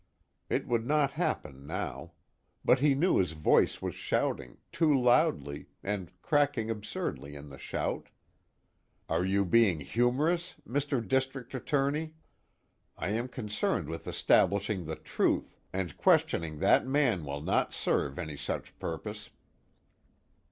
_" It would not happen now. But he knew his voice was shouting, too loudly, and cracking absurdly in the shout: "Are you being humorous, Mr. District Attorney? I am concerned with establishing the truth, and questioning that man will not serve any such purpose."